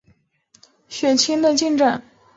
血清肌酸酐及尿素氮可能会增加肾损害的进展。